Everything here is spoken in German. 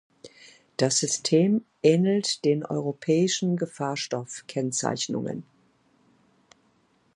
Das System ähnelt den europäischen Gefahrstoff-Kennzeichnungen.